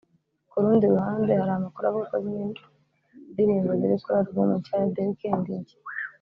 Ku rundi ruhande hari amakuru avuga ko zimwe ndirimbo ziri kuri album nshya ya The weekend nshya